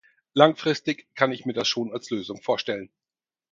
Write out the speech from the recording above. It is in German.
Langfristig kann ich mir das schon als Lösung vorstellen.